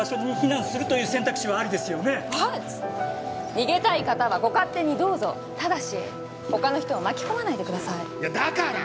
逃げたい方はご勝手にどうぞただし他の人を巻き込まないでくださいだから！